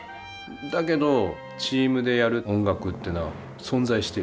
だけどチームでやる音楽ってのは存在してる。